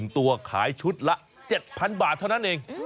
ตัวขายชุดละ๗๐๐บาทเท่านั้นเอง